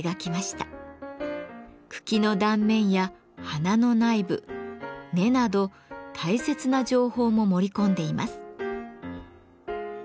茎の断面や花の内部根など大切な情報も盛り込んでいます。